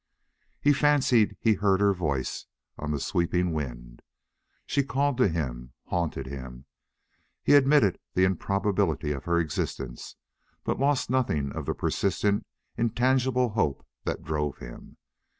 He fancied he heard her voice on the sweeping wind. She called to him, haunted him. He admitted the improbability of her existence, but lost nothing of the persistent intangible hope that drove him.